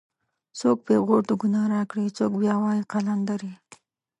څوک پېغور د گناه راکړي څوک بیا وایي قلندرې